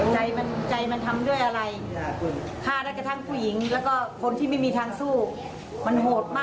ทำไมตำรวจไม่เอิยถึงเลยกับคนที่พาไป